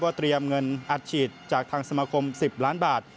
เตรียมเงินอัดฉีดจากทางสมาคม๑๐ล้านบาท